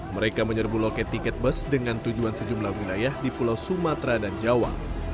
mereka menyerbu loket tiket bus dengan tujuan sejumlah wilayah di pulau sumatera dan jawa